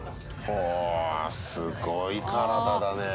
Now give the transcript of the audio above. ほお、すごい体だね。